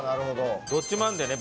どっちもあるんだよね